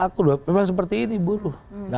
akun memang seperti ini buruh